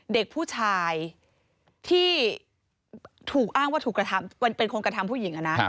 เด็กผู้ชายที่ถูกอ้างว่าถูกกระทำเป็นคนกระทำผู้หญิงนะ